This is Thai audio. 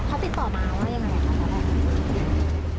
เขาติดต่อมาว่าอย่างไรค่ะ